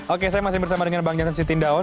oke saya masih bersama dengan bang jansen siti tindaon